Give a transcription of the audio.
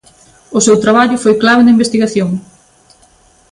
O seu traballo foi clave na investigación.